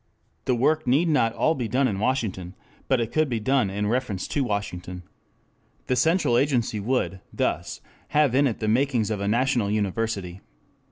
The work need not all be done in Washington, but it could be done in reference to Washington. The central agency would, thus, have in it the makings of a national university.